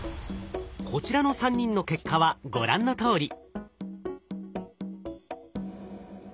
こちらの３人の結果はご覧のとおり。